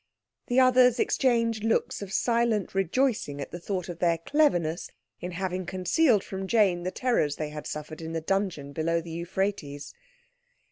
The others exchanged looks of silent rejoicing at the thought of their cleverness in having concealed from Jane the terrors they had suffered in the dungeon below the Euphrates.